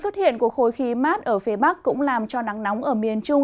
điện của khối khí mát ở phía bắc cũng làm cho nắng nóng ở miền trung